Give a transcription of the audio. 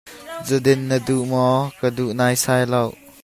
Zu din na duh maw? Ka duh naisai lo!